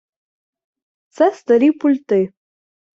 Це старі пульти.